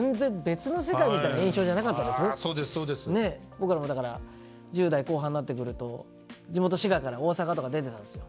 僕らもだから１０代後半になってくると地元滋賀から大阪とか出てたんですよ。